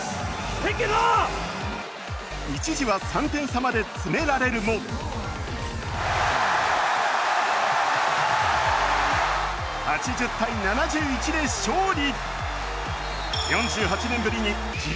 一時は３点差まで詰められるも８０−７１で勝利。